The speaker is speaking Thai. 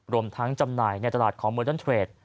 รวมทั้งจำหน่ายในตลาดของโมเดิร์นเทรด